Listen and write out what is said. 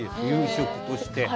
夕食として。